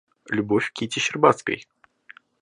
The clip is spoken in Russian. Любовь к Кити Щербацкой.